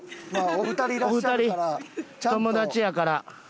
お二人友達やから。